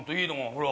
ほら！